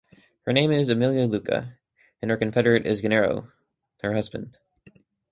Her name is Emilia Lucca, and her confederate is Gennaro, her husband.